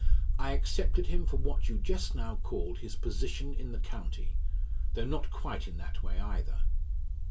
"I accepted him for what you just now called his position in the county, though not quite in that way either."